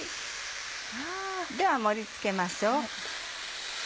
では盛り付けましょう。